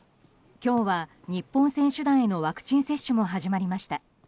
今日は日本選手団へのワクチン接種も始まりました。